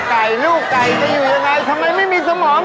ก็จะอยู่ยังไงทำไมไม่มีสมอง